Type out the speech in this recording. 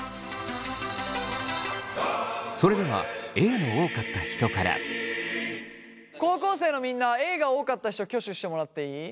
それでは高校生のみんなＡが多かった人挙手してもらっていい？えい。